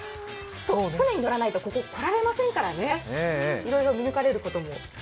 舟に乗らないと、ここ、来られませんからねいろいろ見抜かれることも？